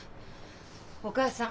お義母さん